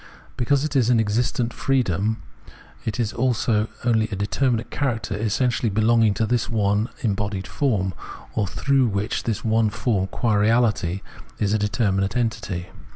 But because it is an existent freedom, it is also only a determinate character essentially belonging to this one embodied form, or through which this form qua reahty is a determinate entity.